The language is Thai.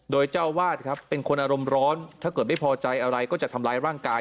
โดยเจ้าวาดครับเป็นคนอารมณ์ร้อนถ้าเกิดไม่พอใจอะไรก็จะทำร้ายร่างกาย